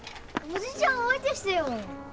おじちゃん相手してよ！